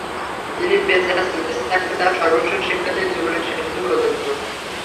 তিনি বেঁচে আছেন, বেঁচে থাকবেন তাঁর সর্বশেষ শিক্ষার্থীর জীবনের শেষ দিন পর্যন্ত।